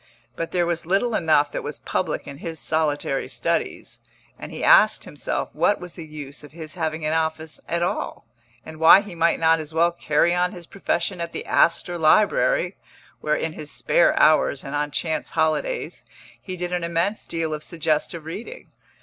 But there was little enough that was public in his solitary studies, and he asked himself what was the use of his having an office at all, and why he might not as well carry on his profession at the Astor Library, where, in his spare hours and on chance holidays, he did an immense deal of suggestive reading.